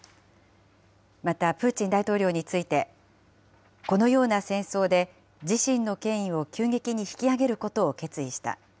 またプーチン大統領について、このような戦争で自身の権威を急激に引き上げることを決意した。